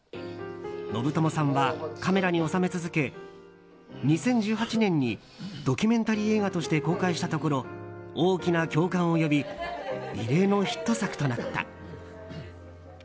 信友さんはカメラに収め続け２０１８年にドキュメンタリー映画として公開したところ大きな共感を呼び異例のヒット作となった。